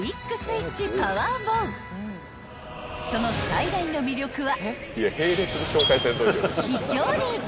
［その最大の魅力は］